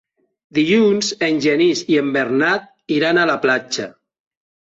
Dilluns en Genís i en Bernat iran a la platja.